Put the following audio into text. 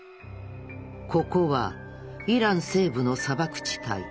ここはイラン西部の砂漠地帯。